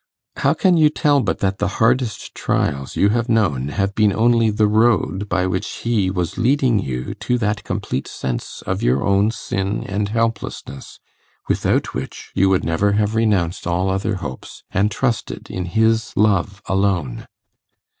How can you tell but that the hardest trials you have known have been only the road by which He was leading you to that complete sense of your own sin and helplessness, without which you would never have renounced all other hopes, and trusted in His love alone?